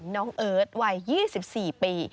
น้องเอิร์ทวัย๒๔ปี